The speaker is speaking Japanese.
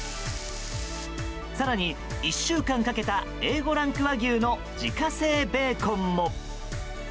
更に、１週間かけたＡ５ランク和牛の自家製ベーコンも。